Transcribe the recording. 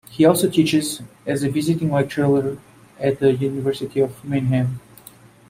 He also teaches as a visiting lecturer at the University of Mannheim.